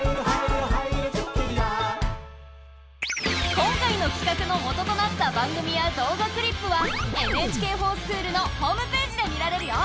今回のきかくの元となった番組や動画クリップは「ＮＨＫｆｏｒＳｃｈｏｏｌ」のホームページで見られるよ。